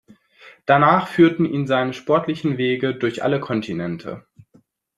Danach führten ihn seine sportlichen Wege durch alle Kontinente.